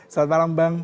selamat malam bang